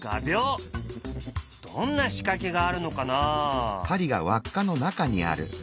どんな仕掛けがあるのかな？